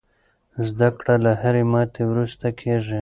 زده کړه له هرې ماتې وروسته کېږي.